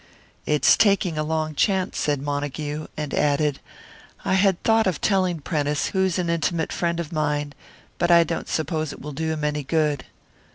"It's taking a long chance," said Montague, and added, "I had thought of telling Prentice, who's an intimate friend of mine; but I don't suppose it will do him any good."